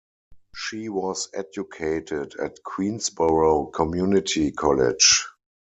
She was educated at Queensborough Community College.